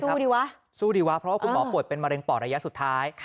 ดีวะสู้ดีวะเพราะว่าคุณหมอป่วยเป็นมะเร็งปอดระยะสุดท้าย